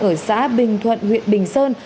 ở xã bình thuận huyện bình sơn